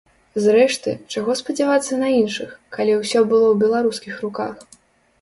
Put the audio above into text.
Зрэшты, чаго спадзявацца на іншых, калі ўсё было ў беларускіх руках.